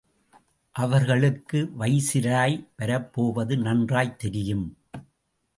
அவர்களுக்கு வைசிராய் வரப்போவது நன்றாய்த் தெரியும்.